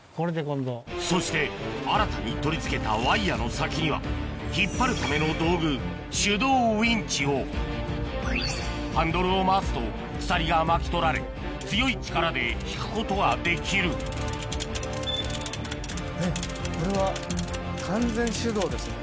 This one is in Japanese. そして新たに取り付けたワイヤの先には引っ張るための道具ハンドルを回すと鎖が巻き取られ強い力で引くことができるこれは完全手動ですね。